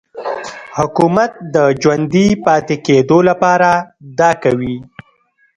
حکومت د ژوندي پاتې کېدو لپاره دا کوي.